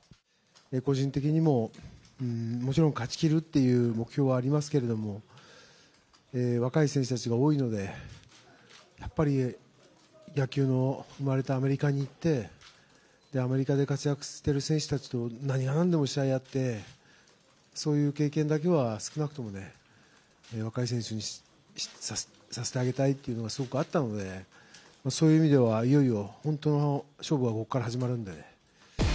個人的にも、もちろん勝ちきるっていう目標はありますけど、若い選手たちが多いので、やっぱり野球の生まれたアメリカに行って、アメリカで活躍してる選手たちと何が何でも試合やって、そういう経験だけは、少なくともね、若い選手にさせてあげたいっていうのはすごくあったので、そういう意味ではいよいよ、本当の勝負はここから始まるんで。